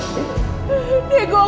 nah ini dia